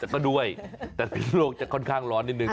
ก็ด้วยภิกษณุนโลกจะค่อนข้างร้อนนิดนึง